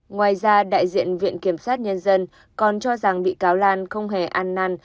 ngoài ra đại diện viện kiểm sát nhân dân còn cho rằng bị cáo lan không hề an năn